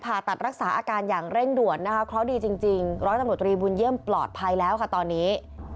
ผ่าตัดรักษาอาการอย่างเร่งด่วนนะคะเคราะห์ดีจริงร้อยตำรวจตรีบุญเยี่ยมปลอดภัยแล้วค่ะตอนนี้